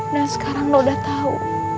dan sekarang lo udah tau